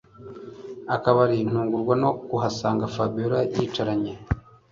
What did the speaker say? akabari ntungurwa no kuhasanga Fabiora yicaranye